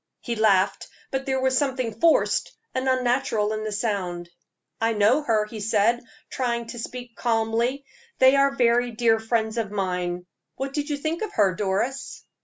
He laughed, but there was something forced and unnatural in the sound. "I know her," he said, trying to speak calmly; "they are very dear friends of mine. What did you think of her, Doris?"